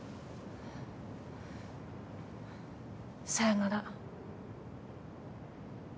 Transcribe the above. さようなら。